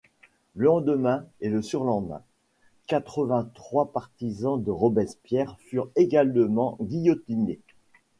Le lendemain et le surlendemain, quatre-vingt-trois partisans de Robespierre furent également guillotinés.